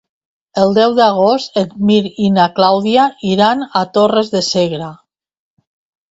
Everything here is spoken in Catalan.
El deu d'agost en Mirt i na Clàudia iran a Torres de Segre.